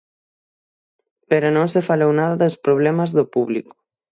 Pero non se falou nada dos problemas do público.